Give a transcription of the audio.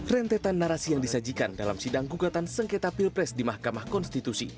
rentetan narasi yang disajikan dalam sidang gugatan sengketa pilpres di mahkamah konstitusi